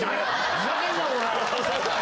ふざけんなコラ！